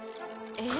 えっ？